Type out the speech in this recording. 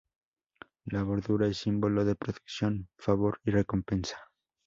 La bordura es símbolo de protección, favor y recompensa.